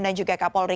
dan juga kak polri